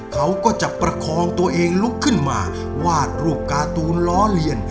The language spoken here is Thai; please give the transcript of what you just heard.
เขาก็จะประคองตัวเองลุกขึ้นมาวาดรูปการ์ตูนล้อเลียน